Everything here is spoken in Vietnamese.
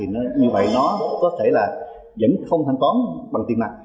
như vậy nó có thể là vẫn không thanh toán bằng tiền mặt